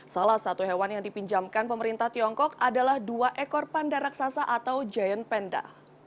salah satu hewan yang dipinjamkan pemerintah tiongkok adalah dua ekor panda raksasa atau giant penda